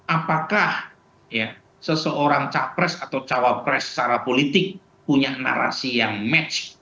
apakah seseorang capres atau cawapres secara politik punya narasi yang match